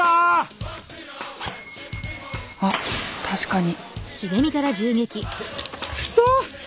あっ確かに。